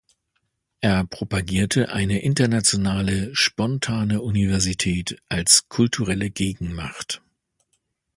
Er propagierte eine internationale "spontane Universität" als kulturelle Gegen-Macht.